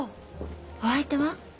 お相手は？